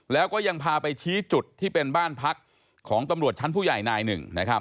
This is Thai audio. แล้วก็ยังพาไปชี้จุดที่เป็นบ้านพักของตำรวจชั้นผู้ใหญ่นายหนึ่งนะครับ